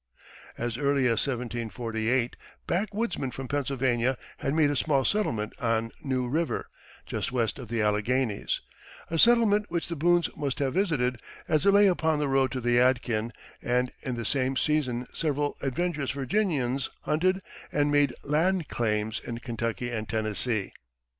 As early as 1748, backwoodsmen from Pennsylvania had made a small settlement on New River, just west of the Alleghanies a settlement which the Boones must have visited, as it lay upon the road to the Yadkin; and in the same season several adventurous Virginians hunted and made land claims in Kentucky and Tennessee.